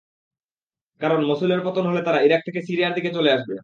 কারণ, মসুলের পতন হলে তারা ইরাক থেকে সিরিয়ার দিকে চলে আসবে।